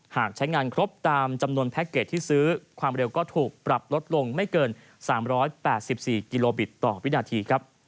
หากใช้งานครบตามจำนวนแพ็คเกจที่ซื้อความเร็วก็ถูกปรับลดลงไม่เกิน๓๘๔กิโลบิตต่อวินาทีครับ